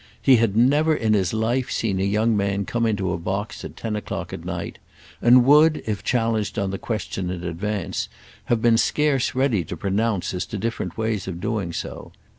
He had never in his life seen a young man come into a box at ten o'clock at night, and would, if challenged on the question in advance, have scarce been ready to pronounce as to different ways of doing so.